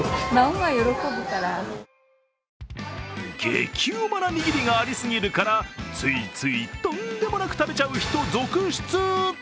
激うまな握りがありすぎるからついついとんでもなく食べちゃう人続出。